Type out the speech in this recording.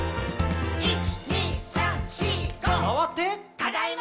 「ただいま！」